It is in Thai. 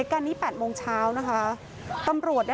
พ่อแม่มาเห็นสภาพศพของลูกร้องไห้กันครับขาดใจ